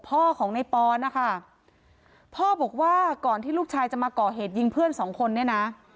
พ่อของในปอนนะคะพ่อบอกว่าก่อนที่ลูกชายจะมาก่อเหตุยิงเพื่อนสองคนเนี่ยนะ